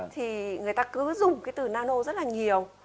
thì người ta cứ dùng cái từ nano rất là nhiều